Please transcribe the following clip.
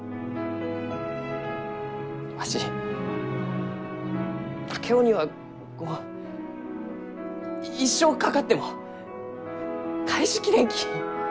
わし竹雄にはこう一生かかっても返し切れんき。